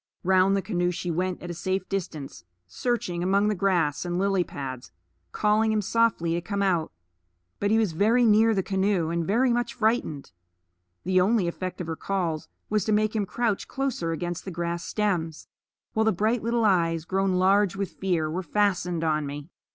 Round the canoe she went at a safe distance, searching among the grass and lily pads, calling him softly to come out. But he was very near the canoe, and very much frightened; the only effect of her calls was to make him crouch closer against the grass stems, while the bright little eyes, grown large with fear, were fastened on me.